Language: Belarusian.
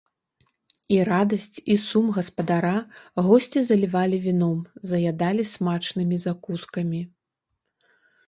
І радасць і сум гаспадара госці залівалі віном, заядалі смачнымі закускамі.